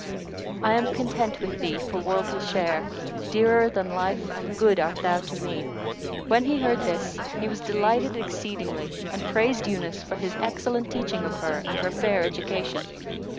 I am content with thee for worldly share * Dearer than life and good art thou to me!" When he heard this, he was delighted exceedingly and praised Yunus for his excellent teaching of her and her fair education.